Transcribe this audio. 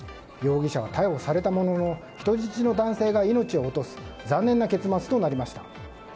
容疑者は逮捕されたものの人質の男性が命を落とす残念な結末となりました。